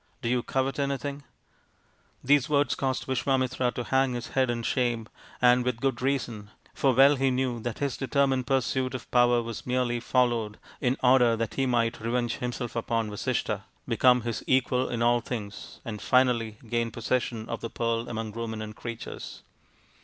Do you covet anything ?" These words caused Visvamitra to hang his head in shame, and with good reason, for well he knew that his determined pursuit of power was merely followed in order that he might revenge himself upon Vasishtha, become his equal in all things, and finally gain possession of the Pearl among Ruminant Creatures.